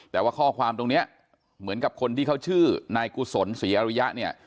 แต่ว่าข้อความตรงนี้เหมือนกับคนที่เขาชื่อนายกุศลศรีอริยะเนี่ย